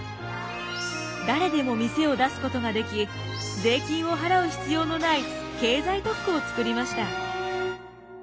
誰でも店を出すことができ税金を払う必要のない経済特区を作りました。